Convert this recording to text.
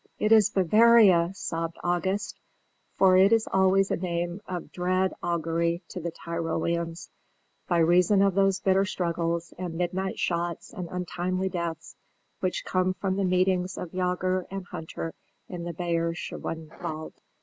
"It is Bavaria!" sobbed August; for it is always a name of dread augury to the Tyroleans, by reason of those bitter struggles and midnight shots and untimely deaths which come from those meetings of jäger and hunter in the Bayerischenwald.